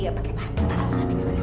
sampai dia bernafas